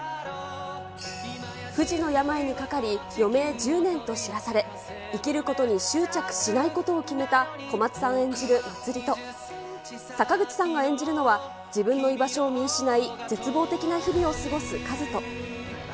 不治の病にかかり、余命１０年と知らされ、生きることに執着しないことを決めた小松さん演じる茉莉と、坂口さんが演じるのは、自分の居場所を見失い絶望的な日々を過ごす和人。